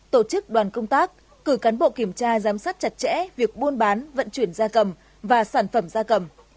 tổ chức đoàn công tác cử cán bộ kiểm tra giám sát chặt chẽ việc buôn bán vận chuyển da cầm và sản phẩm da cầm